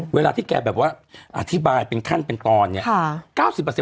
เวลาที่แกแบบว่าอธิบายเป็นขั้นเป็นตอนเนี่ย